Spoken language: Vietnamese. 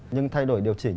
nhưng thay đổi điều chỉnh